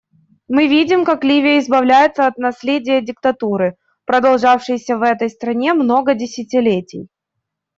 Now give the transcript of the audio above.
Мы видим, как Ливия избавляется от наследия диктатуры, продолжавшейся в этой стране много десятилетий.